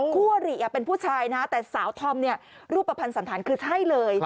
คั่วหรี่เป็นผู้ชายนะครับแต่สาวธอมรูปประพันธ์สันธารคือใช่เลย